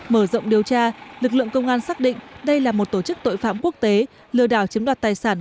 mở rộng điều tra lực lượng công an xác định đây là một tổ chức tội phạm quốc tế lừa đảo chiếm đoạt tài sản